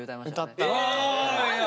歌った。